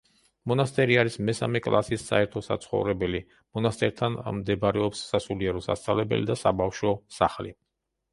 მონასტერი არის მესამე კლასის საერთო საცხოვრებელი, მონასტერთან მდებარეობს სასულიერო სასწავლებელი და საბავშვო სახლი.